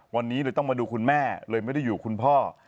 วันนี้เลยต้องมาดูคุณแม่เลยไม่ได้อยู่คุณพ่อ